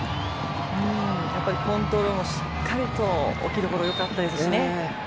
コントロールしっかりと置き所よかったですしね。